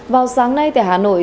vào sáng nay tại hà nội